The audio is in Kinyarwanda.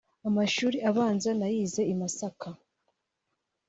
Amashuli abanza nayize i Masaka